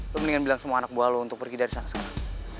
lo mendingan bilang semua anak buah lo untuk pergi dari sana sekarang